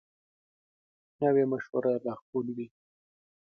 نوی مشوره لارښود وي